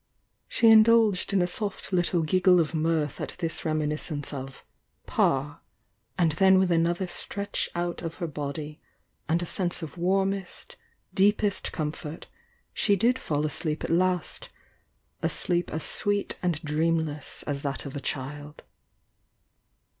She indulged in a soft little giggle of mirth at this reminiscence of "Pa," and then with another stretch out of her body, and a sense of warmest, deepest comfort, she did fall asleep at last — a sleep as sweet and dreamless as that of a child.